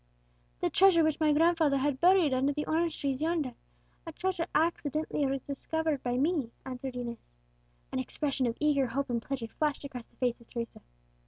"The treasure which my grandfather had buried under the orange trees yonder, a treasure accidentally discovered by me," answered Inez. An expression of eager hope and pleasure flashed across the face of Teresa.